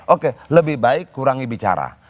oke lebih baik kurangi bicara